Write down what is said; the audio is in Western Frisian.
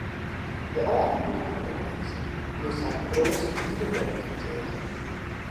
De âlden bleaune allinne efter, wylst harren kroast de wide wrâld yn teach.